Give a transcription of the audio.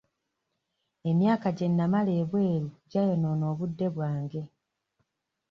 Emyaka gye namala ebweru gyayonoona obudde bwange.